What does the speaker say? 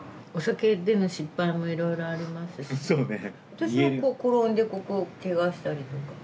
私は転んでここをけがしたりとか。